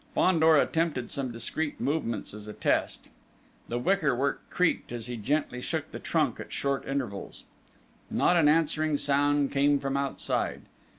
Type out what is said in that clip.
Fandor attempted some discreet movements as a test. The wickerwork creaked as he gently shook the trunk at short intervals. Not an answering sound came from outside!